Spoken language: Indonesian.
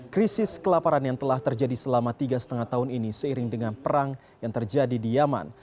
krisis kelaparan yang telah terjadi selama tiga lima tahun ini seiring dengan perang yang terjadi di yaman